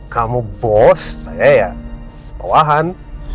kamu bos saya ya bawahan